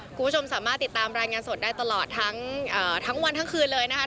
คุณผู้ชมสามารถติดตามรายงานสดได้ตลอดทั้งวันทั้งคืนเลยนะคะ